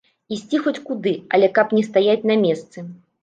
Ісці хоць куды, але каб не стаяць на месцы.